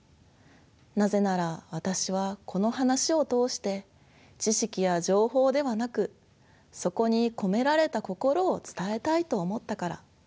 なぜなら私はこの話を通して知識や情報ではなくそこに込められた心を伝えたいと思ったから。